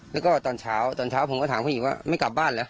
เนั้งก็ตอนเช้าผมก็ถามเขาอีกว่าไม่กลับบ้านเหรอ